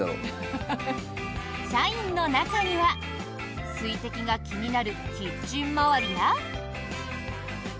社員の中には水滴が気になるキッチン周りや。